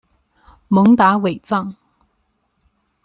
蒙达韦藏。